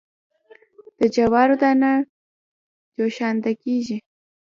د جوارو دانه جوشانده کیږي.